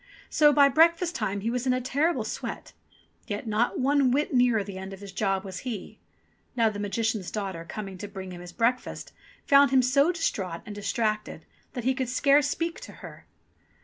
So by breakfast time he was in a terrible sweat ; yet not one whit nearer the end of his job was he. Now the Magician's daughter coming to bring him his breakfast, found him so distraught and distracted that he could scarce speak to her.